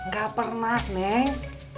ga pernah neng